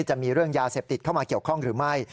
จะมีเรื่องยาเสพติดเข้ามาเกี่ยวข้องหรือไม่